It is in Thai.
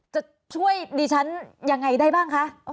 จะช่วยดิฉันยังไงได้บ้างคะ